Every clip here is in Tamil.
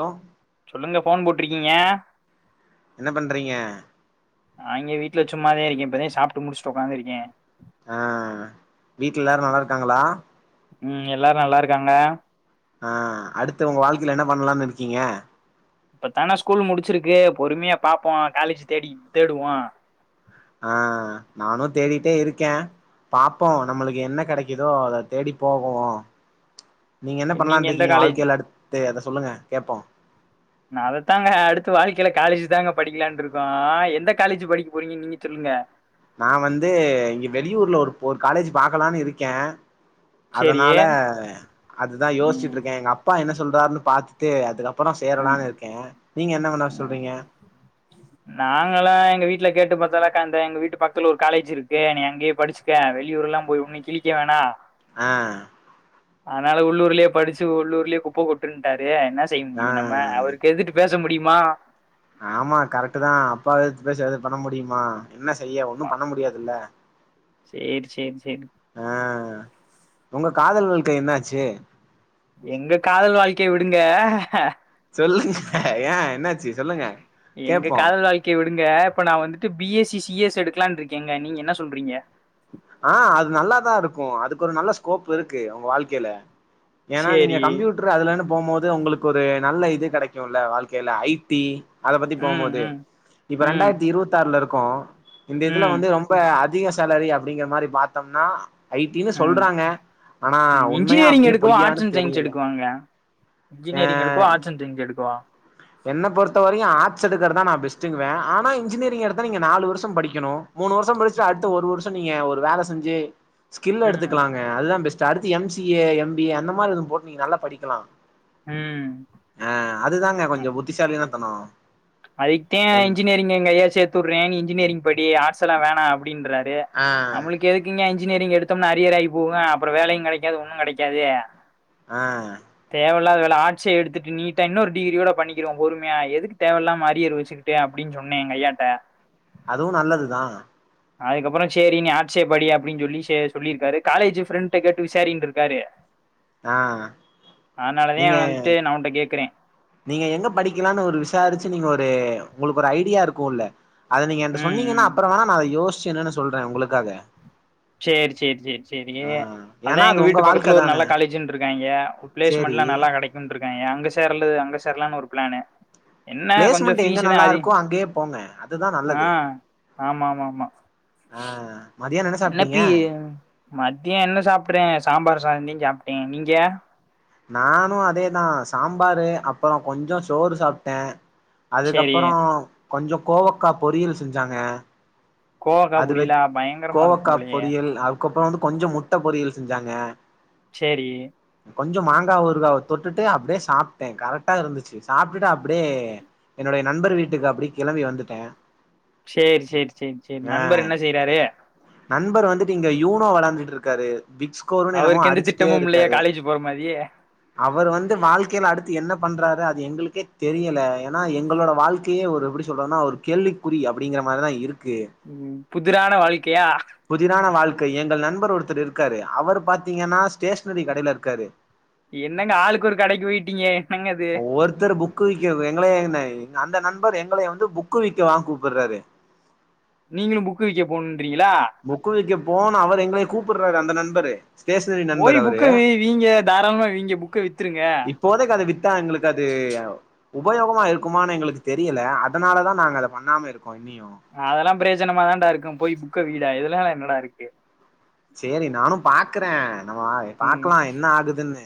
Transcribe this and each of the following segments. லோ சொல்லுங்க போன் போட்டிருக்கீங்க என்ன பண்றீங்க நா இங்க வீட்ல சும்மா தா இருக்கே இப்பத சாப்ட்டு முடிச்சுட்டு உக்காந்துருக்கே ஆ வீட்ல எல்லாரு நல்லா இருக்காங்ளா ம் எல்லாரு நல்லாருக்காங்க ஆ அடுத்து உங்க வாழ்க்கையில என்ன பண்ணலானு இருக்கீங்க இப்ப தான ஸ்கூல் முடிச்சிருக்கு பொறுமையா பாப்போ காலேஜ் தேடி தேடுவோ ஆ நானு தேடிட்டே இருக்கே பாப்போ நம்மளுக்கு என்ன கெடைக் கிதோ அத தேடி போவோ நீங்க என்ன பண்ணலானு எந்த இருக்கீங்க காலேஜ் வாழ்க்கைல அடுத் து அத சொல்லுங்க கேப்போ நா அதத்தாங்க அடுத்த வாழ்க்கையில காலேஜ் தாங்க படிக்கலான்னு இருக்கோ எந்த காலேஜ் படிக்க போறீங்கின்னு நீங்க சொல்லுங்க நா வந்து இங்க வெளியூர்ல ஒரு ஒரு காலேஜ் பாக்கலான்னு இருக்கே சேரி அதனால அதுதா ம் யோசிச்சிட்ருக்கே எங்க அப்பா என்ன சொல்றாருன்னு பாத்துட்டு அதுக்கப் பறோ ம் சேரலானு இருக்கே நீங்க என்ன பண்ண சொல்றீங்க நாங்கல்லா எங்க வீட்டுல கேட்டு பாத்தாலா எங்க வீட்டு பக்கத்துல ஒரு காலேஜ் இருக்கு நீ அங்கே படிச்சு க்க வெளியூர் எல்லா போய் ஒன்னு கிழிக்க வேணா ஆ அதனால உள்ளூர்லே படிச்சு உள்ளூர்லே குப்ப கொட்டுட்டாரு என்ன செய்ய முடியு நம்ம ஆ அவருக் எதுத்துட்டு பேச முடியுமா ஆமா கரெக்ட் தா அப்பா எத்து பேச எது பண்ண முடியுமா என்ன செய்ய ஒண்ணு பண்ண முடியாதுல்ல சேர் செரி செரி ஆ உங்க காதல் வாழ்க்க என்னாச்சி எங்க காதல் வாழ்க்கைய விடுங்க சொல்லுங்க ஏ என்னாச்சி சொல்லுங்க எங்க கேப்போம் காதல் வாழ்க்கை விடுங்க இப்ப நா வந்துட்டு B S C C S எடுக்கலான் இருக்கேங்க நீங்க என்ன சொல்றீங்க ஆ அது நல்லாதாருக்கு அதுக்கு ஒரு நல்ல ஸ்கோப் இருக்கு அவுங்க வாழ்க்கையில ஏன்னா நீங்க சேரி கம்பியூட்ரு அதுலன்னு போபோது உங்களுக்கு ஒரு நல்ல இது கெடைக்குல வாழ்க்கையில ஐ டி அத பத்தி ம் போபோது ம் இப்ப ம் ரெண்டாயிரத்தி இருபத்தி ஆறுல இருக்கோ இந்த இதுல ம் வந்து ரொம் இப்ப அதிக சேலரி அப்புடிங்குற மாரி பாத்தோம்னா ஐட்டின்னு ம் சொல்றாங்க ஆனா ம் உண்மையா இன்ஜினியரிங் அப்புடியே எடுக்கவா பொய்யான்னு ஆர்ட்ஸ் அண்ட் சயின்ஸ் தெரியல எடுக்குவாங்க இன்ஜினியரிங் ஆ எடுக்கவா ஆர்ட்ஸ் அண்ட் சயின்ஸ் எடுக்கவா என்ன பொறுத்த வரையு ஆர்ஸ் எடுக்குறதா நா பெஸ்டுங்குவே ஆனா இன்ஜினியரிங் எடுத்தா நீங்க நாலு வருஷோ படிக்கணு மூணு வருஷோ முடிச்சிட்டு அடுத்த ஒரு வருஷோ நீங்க ஒரு வேல செஞ்சு ஸ்கில் ம் எடுத்துக்கலாங் அதுதா பெஸ்ட்டு அடுத்து M C A M B A அந்த மாரி போட்டு நீ நல்லா படிக்கலா ம் அ அதுதாங்க ஆ கொஞ்சோ புத்திசாலியான தனோ அதுக்குத்தே இன்ஜியரிங் எங்க ஐயா சேர்த்துவுட்றே இன்ஜினியரிங் படி ஆர்ட்ஸ் எல்லா வேணா அப்டி என்றாரு ஆ நம்மளுக் எதுக்குங்க இன்ஜினியரிங் எடுத்தோம்னா அரியர் ஆகி போகு அப்புற வேலையு கெடைக்காது ஒன்னு கெடைக்காது ஆ தேவையில்லாதது வேல ஆர்ட்சே எடுத்துட்டு நீட்டா இன்னொரு டிகிரியோட பண்ணிக்கலா பொறுமையா எதுக்கு தேவயில்லாம அரியர் வச்சுக்கிட்டே அப்பிடினு சொன்னே எங்க ஐயாட்ட அதுவு நல்லது தா அதுக்கப்பறோ சேரி நீ ஆர்ட்ஸே படி அப்பிடின் சொல்லி சொல்லியிருக்காரு காலேஜ் எ ஃப்ரெண்ட் கிட்ட கேட்டு விசாரின்னு இருக்காரு ஆ அதனாலதா நீங்க வந்துட்டு நா உன்ட்ட கேக்குறே நீங்க எங்க படிக்கலானு ஒரு விசாரிச்சி நீங்க ஒரு உங்களுக்கு ஒரு ஐடியா இருக்குல்ல அத நீங்க என்ட்ட ம் சொன்னீங்கினா ம் அப்பறோ வேணா நா அத யோசிச்சி என்னன்னு சொல்றே உங்களுக்காக சேரி சேரி சேரி சேரி ஆ அதா ஏன்னா அது எங்க உங்க வீட்டு பக்கத்துல வாழ்க்க ஒரு நல்ல தான காலேஜு இருக்குன்றாங்க பிளேஸ்மட்லா சேரி நல்லா கெடைக் இருக்குன்றாங்கே அங்க சேர்லது அங்க சேர்லான்னு ஒரு பிளானு என்ன கொஞ்சோ பிளேஸ்மெண்ட் எங்க ஃபீஸுதா நல்லா அதி இருக்கோ அங்கே போங்க அதுதா ஆ நல்லது ஆமா ஆமா ஆமா ஆ மதியானோ என்ன சாப்ட்டீங்க பி மத்தியோ என்ன சாப்புற்ற சாம்பார் சாதோ தே சாப்டே நீங்க நானு அதேதா சாம்பாரு அப்பறோ கொஞ்சோ சோறு சாப்டே சேரி அதுக்கப்பறோ கொஞ்சோ கோவக்கா பொரியல் செஞ்ஜாங்க கோவக்கா அது வெச் பொரியலா பயங்கரமா இருக்கும் கோவக்கா போலயே பொரியல் அதுக்கப்றோ வந்து கொஞ்ஜோ முட்ட பொரியல் செஞ்ஜாங்க செரி கொஞ்சோ மாங்கா ஊர்காவ தொட்டுட்டு அப்டியே சாப்டே கரெட்டா இருந்துச்சி சாப்ட்டுட்டு அப்டே என்னுடைய நண்பர் வீட்டுக்கு அப்டி கெளம்பி வந்துட்டே செரி செரி செரி செரி ஆ நண்பர் என்ன செய்றாரு நண்பர் வந்துட்டு இங்க யூனோ வெளாந்துட்டு இருக்காரு பிக்ஸ் கோலுன்னு என்னமோ அவருக்கு எந்த அடிச்சிட்டே திட்டமும் இல்லையா இருக்காரு காலேஜ் போற மாரி அவர் வந்து வாழ்க்கைல அடுத்து என்ன பண்றாரு அது எங்களுக்கே தெரியல ஏன்னா எங்களோட வாழ்க் த்தி அவர் எப்டி சொல்றோம்னா ஒரு கேள்விக்குறி அப்டிங்கற மாரிதா இருக்கு ம் புதிரான வாழ்க்கையா புதிரான வாழ்க்கை எங்கள் நண்பர் ஒருத்தரு இருக்காரு அவரு பாத்திங்கனா ஸ்டேஷனரி கடைல இர்க்காரு என்னங்க ஆளுக்கு ஒரு கடைக்கு போயிட்டீங்க என்னங்க அது ஒருத்தரு புக் புக்கு விக்க எங்கள அந்த நண்பர் எங்கள வந்து புக்கு விக்க வா கூப்புர்ராரு நீங்களு புக் விக்க போனுன்றீங்களா புக்கு விக்க போனோ அவர் எங்களையே கூப்புட்ராரு அந்த நண்பரு ஸ்டேஷ்னரி போய் புக்க வீங்க தாராளமா வீங்க புக்க வித்துருங்க போதைக்கு அத வித்தா எங்களுக்கு அது உபயோகமா இருக்குமானு எங்களுக்கு தெரியல அதனாலதா நாங்க அத பண்ணாம இருக்கோ இனியு அதெல்லா பிரயோஜனமா தான்டா இருக்கு போய் புக்க விய்டா இதெல்லா என்னடா இருக்கு சேரி நானு பாக்கறே நம்ம ம் பாக்கலா என்ன ஆகுதுன்னு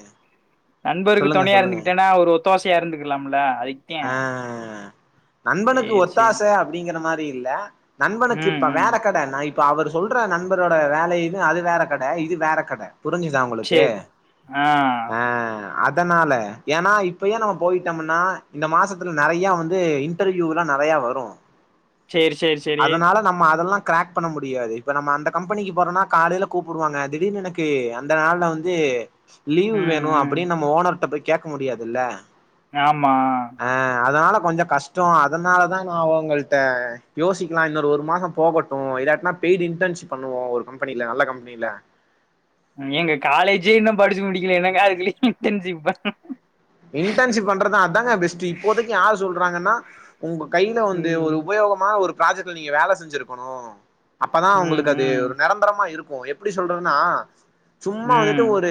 நண்பருக்கு சொல்லுங்க தொணைய சொல்லுங்க இருந்துக்கிட்டேனா ஒரு ஒத்தாசையா இருந்துக்கலாம்ல அதிக் ஆ நண்பனுக்கு சேரி சேரி ஒத்தாச அப்டிங்ற மாரி இல்ல நண்பனுக்கு ம் இப்ப ம் வேறக் கட நா இப் இப்ப அவர் சொல்ற நண்பரோட வேலையின்னா அது வேற கட இது வேற கட புரிஞ்ஜிதா உங்களுக்கு சேரி ஆ ஆ அத் அதனால ஏன்னா இப்பயோ நம்ம போயிட்டோமனா இந்த மாசத்துல நெறைய வந்து இன்டர்வியூல்லா நெறைய வரு சேரி சேரி சேரி அதனால நம்ம அதெல்லா கிராக் பண்ண முடியாது இப்ப நம்ம அந்த கம்பெனிக்கு போறன்னா காலேயில கூப்பிடுவாங்க திடீர்னு எனக் க்கு அந்த நாள்ல வந்து லீவ் ம் வேணு ம் அப்டின்னு நம்ம ஓனர்கிட்ட போய் கேட்க முடியாதுல்ல ஆமா ஆ அதனால கொஞ்ஜோ கஷ்டோ அதனால தா நா அவங்கள்ட்ட யோசிக்கலா இன்னொரு ஒரு மாசோ போகட் இப்போ இதாட்டனா பெய்டு இன்டன்ஷிப் பண்ணுவோ ஒரு கம்பெனியில நல்ல கம்பெனியில ஏங்க காலேஜே இன்னோ படிச்சு முடிக்கல என்னங்க அதுக்குள்ள இன்டன்ஷிப் அ இன்டன்ஷிப் பண்றது அததாங்க பெஸ்ட்டு இப்போதைக்கு யார் சொல்றாங்கன்னா உங்க கையில வந்து ஒரு ம் உபயோகமா ஒரு ப்ராஜெக்ட்ல நீங்க வேல செஞ்சிருக்கனோ அப்பதா ம் உங்களுக்கு அது ம் ஒரு நெரந்தரமா இருக்கு எப்டி சொல்றதுன்னா சும்மா வந்துட்டு ம் ஒரு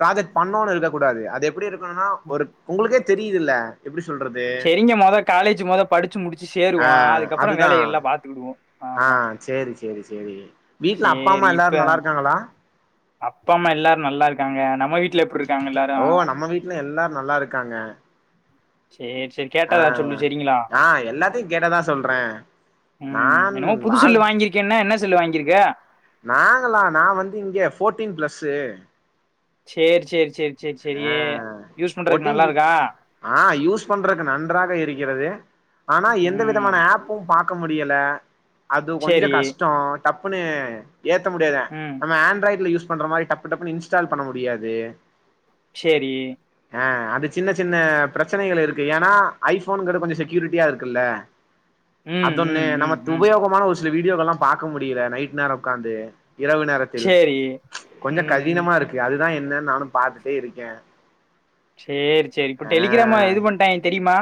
ப்ராஜெக்ட் பண்ணோன்னு இருக்க கூடாது அது எப்டி இருக்கனோம்னா ஒரு உங்களுகே தெரிதுதில்ல எப்டி சொல்றது செரிங்க மொத காலேஜ் மொத படிச்சி முடிச்சி சேருவோ ஆ அதுக்கப்புறோ அதுதா வேல எல்லா பாத்துக்கிடுவோ ஆ ஆமா சேரி சேரி சேரி வீட்ல அப்பா அம்மா எல்லாரு நல்லா இருக்காங்களா அப்பாஅம்மா எல்லாரு நல்லா இருக்காங்க நம்ம வீட்டுல எப்டி இருக்காங்க எல்லாரு ஓ நம்ம வீட்ல எல்லாரு நல்லா இருக்காங்க சேரி செரி ஆ ஆ எல்லாத்தியு கேட்டதா சொல்றே ம் நான் என்னமோ புது வாழ் செல்லு வாங்கியிருக்கேன்ன என்ன செல்லு வாங்கியிருக்கே நாங்களா நா வந்து இங்க போர்டீன் பிளஸ்சு சேரி சேரி சேரி சேரி சேரி ஆ யூஸ் பண்றதுக்கு ஃபோர்டீன் நல்லா இருக்கா ஆ யூஸ் பண்றக்கு நன்றாக இருக்கிறது ஆனா எந்த ம் விதமான ஆப் பூம் பாக்க முடியல அது கொஞ்ஜோ சேரி கஷ்டோ டப்புன்னு ஏத்த முடியாதா ம் நம்ம ஆண்ட்ராய்ட்ல யூஸ் பண்ற மாரி டப்பு டப்புன்னு இன்ஸ்டால் பண்ண முடியாது சேரி ஆ அது சின்ன சின்ன பிரச்சனைகள் இருக்கு ஏன்னா ஐபோனுங்கற கொஞ்ஜோ செக்யூரிட்டியா இருக்குல்ல ம் அதொன்னு ம் நம்ம ம் ம் துபயோகமான வீடியோவல்லா பாக்க முடியல நைட் நேரோ உக்காந்து இரவு நேர கில் சேரி கொஞ்ஜோ ம் ம் கடினமா இருக்கு அதுதா என்னன்னு நானு பாத்துட்டே இருக்கே சேரி சேரி இப்ப ஆ டெலிகிராம இது பண்டாங்க தெரியுமா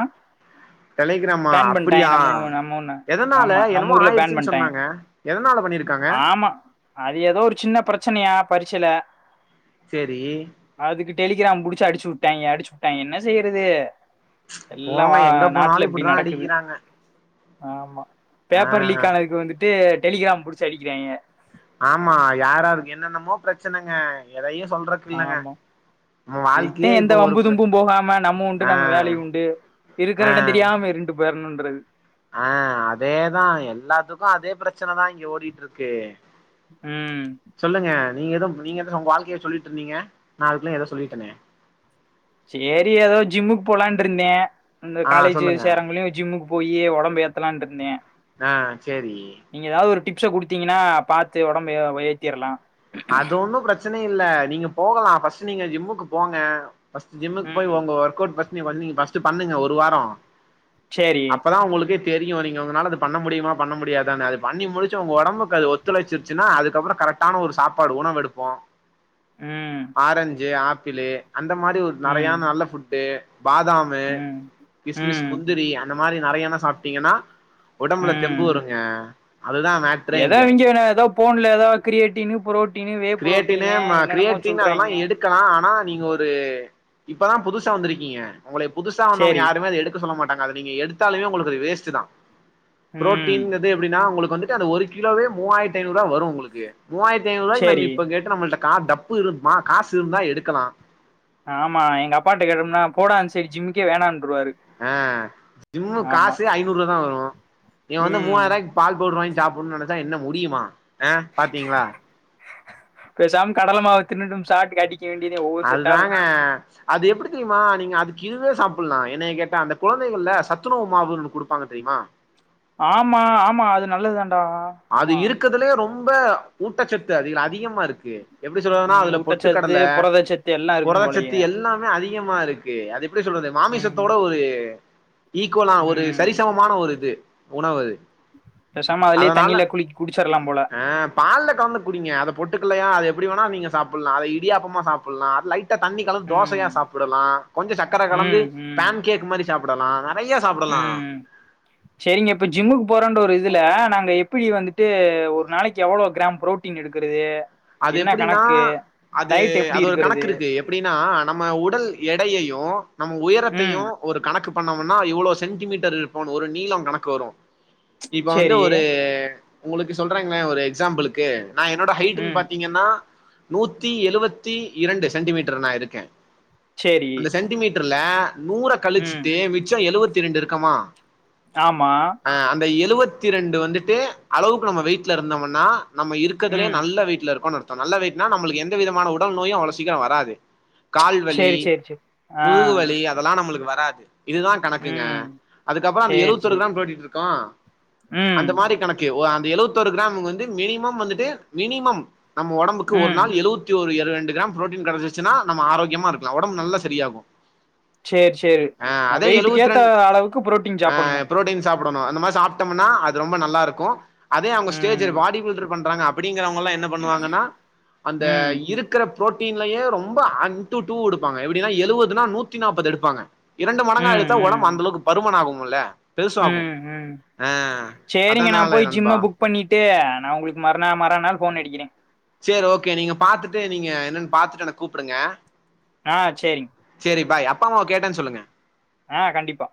டெலிகிராமா பேன் அப்டியா பண்ட்டாய்ங்க நம்ம ஊ நம்ம ஒண்ணு எதனால ஆமா நம்ம என்னமோ ஊர்ல பேன் ஆயிருச்சுன்னு பண்ட்டாய்ங்க சொன்னாங்க எதனால பண்ணிருக்காங்க ஆமா அது ஏதோ ஒரு சின்ன பிரச்சனேயா பரிச்சில சேரி அதுக்கு டெலிகிராம் புடிச்சி அடிச்சிவுட்டாங்கிய அடிச்சிவுட்டாங்க என்ன செய்றது போங்க எங்க போனாலு இப்டிதா நடக்குது அடிக்கிறாங்க ஆமா ஆ பேப்பர் லீக் ஆனதுக்கு வந்துட்டு டெலிகிராம் புடிச்சி அடிக்கிறாங்கிய ஆமா யாராருக்கு என்னென்னமோ பிரச்சனங்க எதையு சொல்றக் இல்லங்க நம்ம இதுக்தே வாழ்க்கையே எந்த இப்போ ஒரு வம்பு ப தும்பு போகாம நம்ம உண்டு ஆ நம்ம வேலை உண்டு இருக்குற ஆ இடம் தெரியாம இருண்டு பேய்ர்ணுன்றது ஆ அதேதா எல்லாத்துக்கு அதே பிரச்சனதா இங்க ஓடிட்ருக்கு ம் சொல்லுங்க நீங்க ஏதோ நீங்க ஏதவு உங்க வாழ்க்கைய சொல்லிட்ருந்தீங்க நா அதுக்குள்ள ஏதோ சொல்லிட்ருந்தே சேரி ஏதோ ஜிம்முக் போலான்ருந்தே இந்த ஆ காலேஜி சொல்லுங்க சேரங்குளியு ஜிம்முக்கு போயியே உடம்பு ஏத்தலான்ட்ருந்தே ஆ சேரி நீங்க ஏதாவது ஒரு டிப்ஸ குடுத்தீங்கனா பாத்து உடம்ப ஏ ஏத்திர்லா அது ஒன்னு பிரச்சன இல்ல நீங்க போகலா ஃபர்ஸ்ட்டு நீங்க ஜிம்முக்கு போங்க ஃபஸ்ட்டு ஜிம்முக்கு ம் போய் உங்க ஒர்க் அவுட் ஃபஸ்ட் பண்ணி ஃபஸ்ட்டு பண்ணுங்க ஒரு வாரோ சேரி அப்பதா உங்குளுக்கு தெரியு நீங்க உங்களால அது பண்ண முடியுமா பண்ண முடியாதான்னு அது பண்ணி முடிச்சு உங்க உடம்புக்கு அது ஒத்துழைச்சிருச்சின்னா அதுக்கப்றோ கரெக்ட் டான ஒரு சாப்பாடு உணவு எடுப்போ ம் ஆரஞ்சு ஆப்பிளு அந்த மாரி ஒரு நறையா ம் நல்ல ஃபுட்டு பாதாமு ம் கிஸ்மிஸ் ம் முந்திரி இந்த மாரி நறையான சாப்ட்டீங்கன்னா உடம்புல தெம்பு வருங்க அதுதா மேட் ஏதா இவிங்க ஏதா போன்ல ஏதோ கிரியேட்டினு புரோட் டீனு வே புரோட்டீனு என்னென்னமோ சொல்றாங்கிய க்கலா ஆனா நீங்க ஒரு இப்பதா புதுசா வந்திருக்கீங்க உங்களைய புதுசா வந்தவுங்க சேரி யாருமே அத எடுக் எடுத்து சொல்ல மாட்டாங்க அது நீங்க எடுத்தாலுமே உங்களுக்கு அது வேஸ்ட்டு தா புரோட் ம் டீங்கது அப்டின்னா உங்களுக்கு வந்துட்டு அந்த ஒரு கிலோவே மூவாயிரத்தி ஐந்நூறுவா வரு உங்ளுக்கு மூவாயிரத்தி ஐந்நூறு நம்ம சேரி இப்ப கேட்டு நம்மள்ட்ட கா டப்பு இருக்மா காசு இருந்தா எடுக்கலா ஆமா எங்க அப்பாட்ட கேட்டோம்னா போடா அந்சைடு ஜிம்முக்கே வேணான்ட்ருவாரு ஆ ஜிம்மு காசே ஐந்நூறுவா தா வரு நீ வந்து ம் மூவாயிரூவாய்க் பால் பவுடர் வாங்கி சாப்புனுன் நெனச்சா என்ன முடியுமா அ பாத்தீங்ளா பேசாம கடல மாவ் தின்னுட்ன் [unintelligible] அடி கேண்டித ஒ அதுதாங்க அது எப்டி தெரியுமா நீங்க அதுக்கு இதுவே சாப்பல்லா என்னைய கேட்டா அந்த கொழந்தைகள்ல சத்துணவு மாவுன் ஒன்னு குடுப்பாங்க தெரியுமா ஆமா ஆமா அது நல்லது தாண்டா அது இருக்கதுலயே ரொம்ப ஊட்டச்சத்து அதிக அதிகமா இருக்கு எப்டி சொல்றதுன்னா ம் அதுல ஊட்டச்சத்து பொட்டுக்கடல புரதச்சத்து எல்லா இருக்கும் புரதச்சத்து போலயே எல்லாமே அதிகமா இருக்கு அது எப்புடி சொல்றது ம் மாமிசத்தோட ஒரு ஈக்குவலா ஒரு ம் சரிசமமான ஒரு இது உணவு பேசாம அதுலே அதனால தண்ணியில குழிக் குடிச்சிர்லா போல அ பால்ல கலந்து குடிங்க அத பொட்டுக்கல்லயா அது எப்டி வேணா நீங்க சாப்புட்லா அத இடியாப்பமா சாப்புல்லா லைட் டா தண்ணி கலந்து ம் தோசையா சாப்புடலா கொஞ்ச சக்கர கலந்து ம் ம் பேன் கேக் மாரி சாப்படலா நறைய சாப்புடலா செரிங்க இப்ப ஜிம்முக்கு போறன்ற ஒரு இதுல நாங்க எப்புடி வந்துட்டு ஒரு நாளைக்கி எவ்ளோ கிராம் ப்ரோ ட்டீன் எடுக்கறது அது என்ன எப்டினா கணக்கு அது டயட் எப்டி அது ஒரு கணக்கு இருக்கறது இருக்கு எப்டினா நம்ம உடல் எடையயும் நம்ம ம் உயரத்தையும் ஒரு கணக்கு பண்ணோம்னா இவ்ளோ சென்டிமீட்டர் இருப்போம்னு ஒரு நீளம் கணக்கு வரும் இப்ப வந்து சேரி ஒரு உங்களுக்கு சொல்றேங்ணே ஒரு எக்ஸாம்பிளுக்கு நா என்னோட ஹைட்டுனு ம் பாத் ங்கன்னா நூத்தி எழுவத்தி இரண்டு சென்டிமீட்டர் நா இருக்கேன் சேரி அந்த சென்டிமீட்டர்ல நூற ம் கழிச்சிட்டு மிச்சம் எழுவத்தி இரண்டு இருக்கமா ஆமா அந்த எழுவத்தி ரெண்டு வந்துட்டு அளவுக்கு நம்ம வெய்ட்ல இருந்தோம்னா நம்ம இருக்கிறதுலயே ம் நல்ல வெய்ட்ல இருக்கோ அர்தம் நல்ல வெய்ட்னா நம்மளுக்கு எந்த விதமான உடல் நோயும் அவ்ளோ சீக்கரம் வராது கால்வலி சேரி சேரி சேரி ஆ முதுகுவலி அ அதல்லாம் நம்மளுக்கு வராது இதுதான் கணக்குங்க ம் அதுக்கப்பறம் அந்த சேரி எழுவத்தொரு சேரி கிராம் கூட்டிட்டு இருக்கோம் ம் அந்த மாரி கணக்கு அந்த எழுவத்தொரு கிராம் வந்து மினிமம் வந்துட்டு மினிமம் நம்ம ஒடம்புக்கு ஒரு ம் நாள் எழு தி ஒரு ரெண்டு கிராம் ப்ரோடின் கெடைச்சுனா நம்ம ஆரோக்யமா இருக்கலாம் உடம்பு நல்லா சரியாகும் சேரி சேரி ஆ நா அதே எழுபத்தி வெயிட்டுக்கேத்த ரெண்டு அளவுக்கு புரோட்டீன் சாப்புட்ணு புரோட்டீன்ஸ் சாப்படணும் அந்த மாரி சாப்டோம்னா அது ரொம்ப நல்லாருக்கும் அதே அவுங்க ஸ்டேஜ் ம் பாடி பில்டர் பண்றாங்க அப் அப்டிங்கிறவங்கல்லாம் என்ன பண்ணுவாங்கன்னா அந்த ம் இருக் குற ப்ரோட்டீன்லயே ரொம்ப அன் டு டூ எடுப்பாங்க எப்டினா எழுவதுனா நூத்தி நாப்பது எடுப்பாங்க இரண்டு மடங்கா ம் அழுத்தா உடம் ம் அந்த அளவுக்கு பருமனா ஆகுங்கல்ல பெருசாகும் ம் ம் ஆ சேரிங்க நா அதனால போய் நண்பா ஜிம்ம புக் பண்ணிட்டு நான் உங்களுக்கு மறு மறா நாள் போன் அடிக்கிறேன் சேரி ஓகே நீங்க பாத்துட்டு நீங்க என்னன்னு பாத்துட்டு எனக்கு கூப்டுங்க ஆ சேரி சேரி பாய் அப்பா அம்மாவ கேட்டேனு சொல்லுங்க ஆ கண்டிப்பா